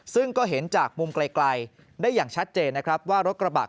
ซึ่งก็เห็นจากมุมไกลได้อย่างชัดเจนนะครับว่ารถกระบะ